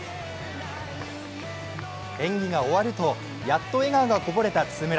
演技が終わると、やっと笑顔がこぼれた津村。